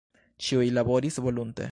Ĉiuj laboris volontule.